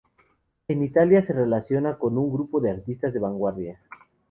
En Italia se relaciona con un grupo de artistas de vanguardia.